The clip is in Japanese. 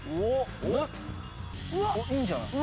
おっいいんじゃない？